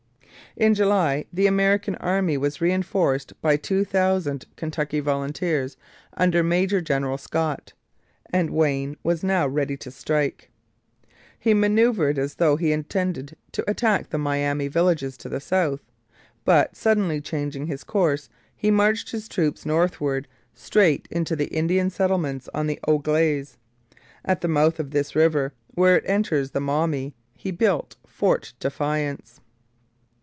In July the American army was reinforced by two thousand Kentucky volunteers under Major General Scott, and Wayne was now ready to strike. He manoeuvred as though he intended to attack the Miami villages to the south, but, suddenly changing his course, he marched his troops northward, straight into the Indian settlements on the Au Glaize. At the mouth of this river, where it enters the Maumee, he built Fort Defiance.